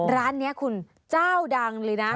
ร้านนี้คุณเจ้าดังเลยนะ